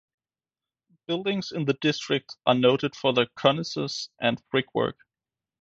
Buildings in the district are noted for their cornices and brickwork.